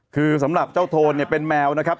คือสำหรับเจ้าโทนเนี่ยเป็นแมวนะครับ